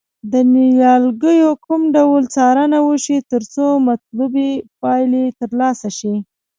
د نیالګیو کوم ډول څارنه وشي ترڅو مطلوبې پایلې ترلاسه شي.